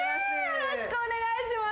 よろしくお願いします。